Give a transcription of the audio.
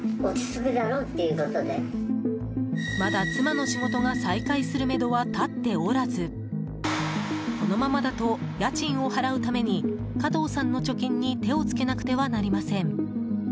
まだ妻の仕事が再開する目途は立っておらずこのままだと家賃を払うために加藤さんの貯金に手をつけなくてはなりません。